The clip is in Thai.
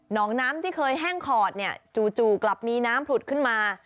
น้องน้ำที่เคยแห้งขอดเนี่ยจู่กลับมีน้ำผุดขึ้นมา